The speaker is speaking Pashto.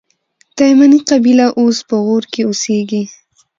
تایمني قبیله اوس په غور کښي اوسېږي.